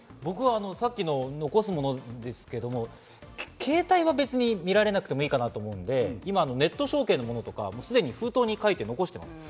さっきの残すものですけど、携帯は別に見られなくてもいいかなと思うので、ネット証券のものとか、すでに封筒に書いて残してます。